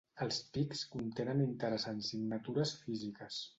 Els pics contenen interessants signatures físiques.